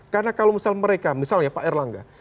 karena kalau misalnya mereka misalnya pak erlangga